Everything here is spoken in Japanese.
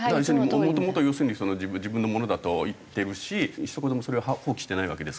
もともと要するに自分のものだと言ってるしひと言もそれは放棄してないわけですから。